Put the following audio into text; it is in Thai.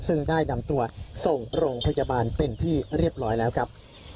ซึ่งได้นำตัวส่งโรงพยาบาลเป็นที่เรียบร้อยแล้วครับ